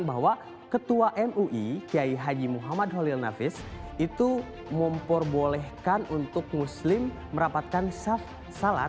bahwa ketua mui kiai haji muhammad holil nafis itu memperbolehkan untuk muslim merapatkan syaf salat